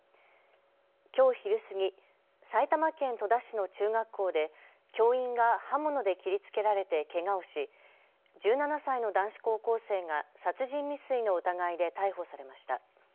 きょう昼過ぎ、埼玉県戸田市の中学校で教員が刃物で切りつけられてけがをし１７歳の男子高校生が殺人未遂の疑いで逮捕されました。